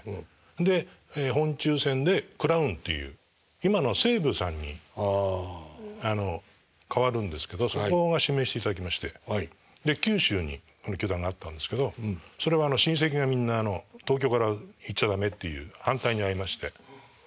で本抽選でクラウンっていう今の西武さんに変わるんですけどそこが指名していただきまして九州にその球団があったんですけどそれは親戚がみんな東京から行っちゃ駄目っていう反対に遭いまして。